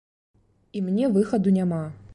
І мне выхаду няма.